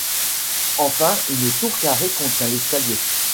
Enfin une tour carrée contient l'escalier.